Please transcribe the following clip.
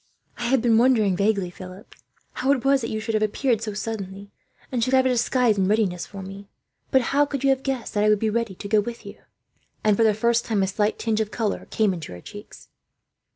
"I have been wondering vaguely, Philip," she said, when he had told the story, "how it was that you should have appeared so suddenly, and should have a disguise in readiness for me. But how could you have guessed that I should be ready to go with you?" And for the first time, a slight tinge of colour came into her cheeks.